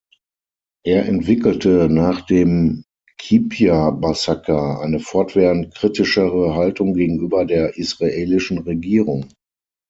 Er entwickelte nach dem Qibya-Massaker eine fortwährend kritischere Haltung gegenüber der israelischen Regierung.